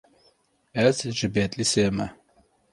Ez ji Bedlîsê me.